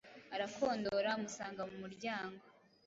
arakondora amusanga mu muryango.